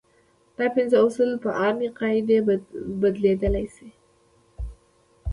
دا پنځه اصول په عامې قاعدې بدلېدلی شي.